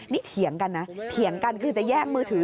นี่เถียงกันนะเถียงกันคือจะแย่งมือถือ